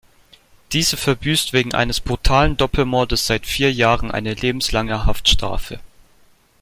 Diese verbüßt wegen eines brutalen Doppelmordes seit vier Jahren eine lebenslange Haftstrafe.